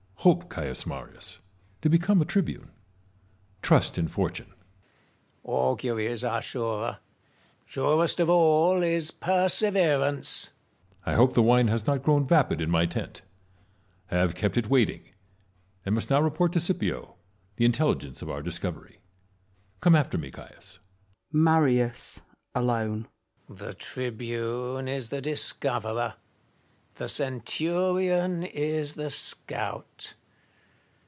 Hope, Caius Marius, to become a tribune : trust in fortune. Marius. Auguries are surer : surest of all is persever ance. Metellus. I hope the wine has not grown vapid in my tent ; I have kept it waiting, and must now report to Scipio the intelligence of our discovery. Come after me, Caius. Marius (alone). The tribune is the discoverer ! the centurion is the scout